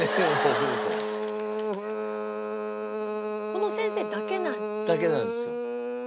この先生だけなの？だけなんですよ。